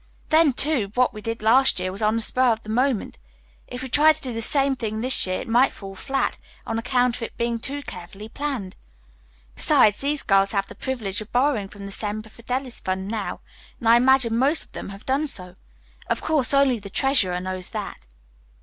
Then, too, what we did last year was on the spur of the moment. If we tried to do the same thing this year it might fall flat, on account of being too carefully planned. Besides, these girls have the privilege of borrowing from the Semper Fidelis fund now, and I imagine most of them have done so. Of course, only the treasurer knows that."